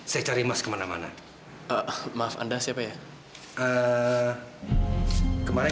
saya cari emas kemana mana maaf anda siapa ya kemarin